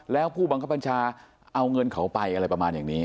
แล้วผู้บังคับบัญชาเอาเงินเขาไปอะไรประมาณอย่างนี้